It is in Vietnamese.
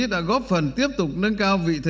đã góp phần tiếp tục nâng cao vị thế